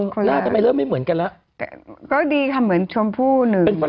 ต้องเริ่มไม่เหมือนกันมาก